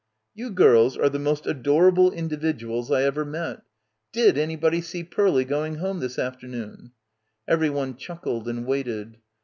"You girls are the most adorable individuals I ever met. ... Did anybody see Pearlie going home this afternoon?" Everyone chuckled and waited.